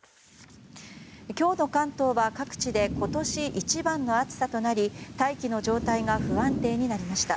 今日の関東は各地で今年一番の暑さとなり大気の状態が不安定になりました。